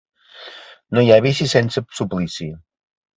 No hi ha vici sense suplici.